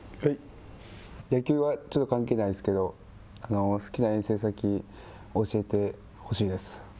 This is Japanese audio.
野球はちょっと関係ないんですけど、好きな遠征先を教えてほしいです。